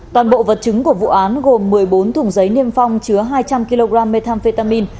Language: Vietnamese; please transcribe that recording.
toàn bộ vật chứng của vụ án gồm một mươi bốn thùng giấy niêm phong chứa hai trăm linh kg methamphetamin